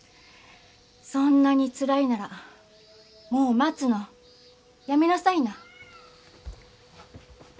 そんなにつらいならもう待つのやめなさいな。